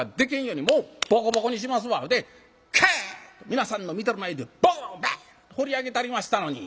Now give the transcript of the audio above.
皆さんの見てる前でボンバンほり上げたりましたのに。